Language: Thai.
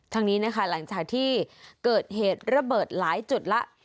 ทางนี้นะคะหลังจากที่เกิดเหตุระเบิดหลายจุดแล้ว